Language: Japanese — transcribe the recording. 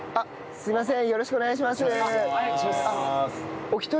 すいません。